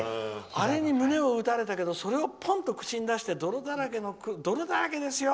あれに胸を打たれたけどあれをポンと口に出して泥だらけですよ！